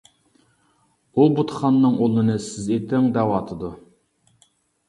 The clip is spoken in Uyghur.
ئۇ بۇتخانىنىڭ ئۇلىنى سىز ئېتىڭ دەۋاتىدۇ.